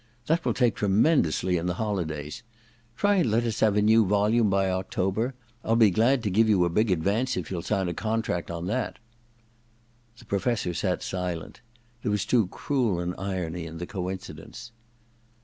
That will take tremendously in the holi days. Try and let us have a new volume by October — I'll be glad to give you a big advance if you'll sign a contract on that.' The Professor sat silent : there was too cruel an irony in the coincidence.